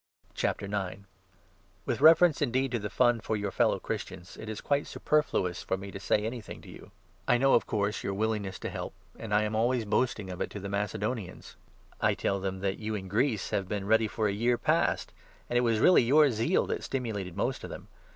With reference, indeed, to the Fund for your fellow i Christians, it is quite superfluous for me to say anything to you. I know, of course, your willingness to help, and I am 2 15 Exod. 16. 18. 21 Prov. 3. 4 (Septuagint). 342 II. CORINTHIANS, O— 1O. always boasting of it to the Macedonians. I tell them that you in Greece have been ready for a year past ; and it was really your zeal that stimulated most of them.